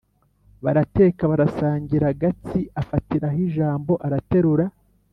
Barateka, barasangira. Gatsi; afatiraho ijambo; araterura